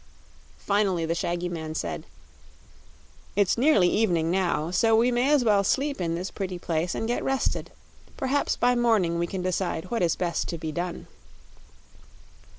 Finally, the shaggy man said: "It's nearly evening, now; so we may as well sleep in this pretty place and get rested; perhaps by morning we can decide what is best to be done."